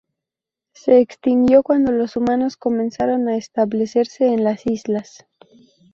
Se extinguió cuando los humanos comenzaron a establecerse en las islas.